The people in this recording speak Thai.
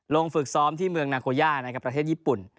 ฝึกซ้อมที่เมืองนาโกย่านะครับประเทศญี่ปุ่น